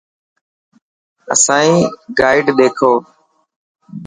اسانئي گائڊ ڏيکو.